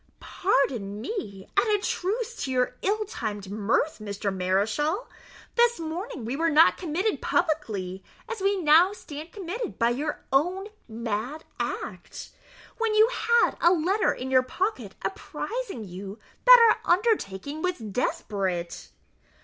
"Pardon me, and a truce to your ill timed mirth, Mr. Mareschal; this morning we were not committed publicly, as we now stand committed by your own mad act, when you had a letter in your pocket apprizing you that our undertaking was desperate."